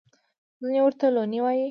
ځینې ورته لوني وايي.